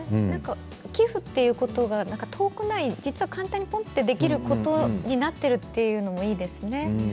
寄付というのが遠くない実は、簡単にできるということになっているのもいいですね。